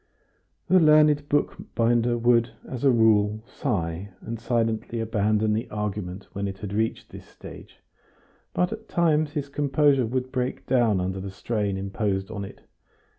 The learned bookbinder would, as a rule, sigh and silently abandon the argument when it had reached this stage, but at times his composure would break down under the strain imposed on it.